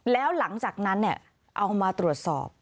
แล้วหลังจากนั้นเอามาตรวจสอบ